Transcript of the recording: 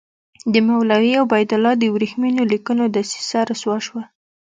د مولوي عبیدالله د ورېښمینو لیکونو دسیسه رسوا شوه.